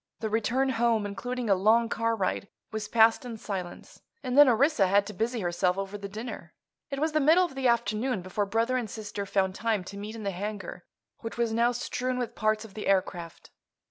The return home, including a long car ride, was passed in silence, and then Orissa had to busy herself over the dinner. It was the middle of the afternoon before brother and sister found time to meet in the hangar, which was now strewn with parts of the aircraft.